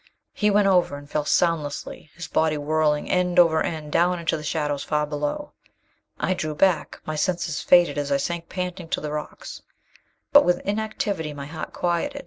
He went over, and fell soundlessly, his body whirling end over end down into the shadows, far below. I drew back. My senses faded as I sank panting to the rocks. But with inactivity, my heart quieted.